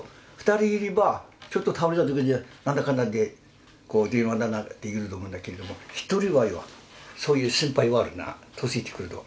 ２人いればちょっと倒れたときになんだかんだで電話できると思うんだけれども１人はよそういう心配はあるな年いってくると。